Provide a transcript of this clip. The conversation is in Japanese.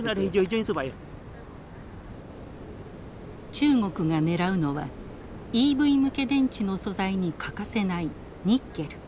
中国がねらうのはＥＶ向け電池の素材に欠かせないニッケル。